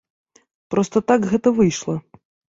Проста так гэта выйшла.